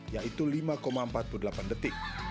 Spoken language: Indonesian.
yaitu lima empat puluh delapan detik